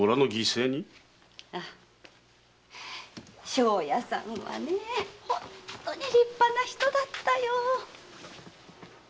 庄屋さんは本当に立派な人だったよ。